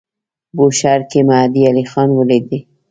بوشهر کې مهدی علیخان ولیدی.